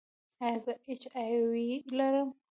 ایا زه ایچ آی وي لرم؟